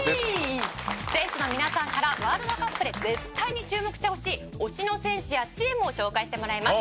選手の皆さんからワールドカップで絶対に注目してほしい推しの選手やチームを紹介してもらいます。